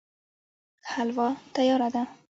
حلوا تياره ده